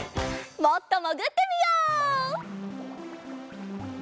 もっともぐってみよう。